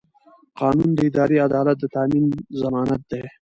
قانون د اداري عدالت د تامین ضمانت دی.